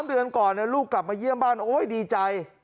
เดือนก่อนลูกกลับมาเยี่ยมบ้านโอ๊ยดีใจ